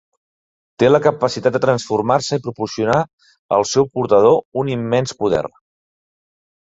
Té la capacitat de transformar-se i proporcionar al seu portador un immens poder.